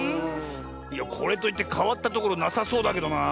いやこれといってかわったところなさそうだけどなあ。